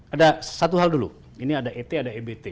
ada satu hal dulu ini ada et ada ebt